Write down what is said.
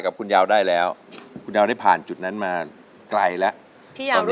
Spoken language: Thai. กับคุณยาวได้แล้วจะผ่านจุดนั้นมาไกลและที่แล้ว